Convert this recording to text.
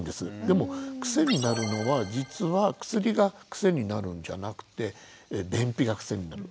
でも癖になるのは実は薬が癖になるんじゃなくて便秘が癖になる。